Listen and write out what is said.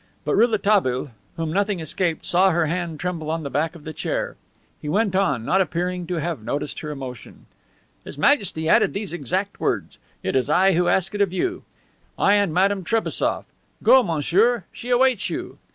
But Rouletabille, whom nothing escaped, saw her hand tremble on the back of the chair. He went on, not appearing to have noticed her emotion: "His Majesty added these exact words: 'It is I who ask it of you; I and Madame Trebassof. Go, monsieur, she awaits you.